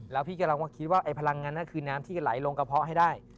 แล้วพี่กำลังมาคิดว่าไอ้พลังงานนั้นคือน้ำที่ไหลลงกระเพาะให้ได้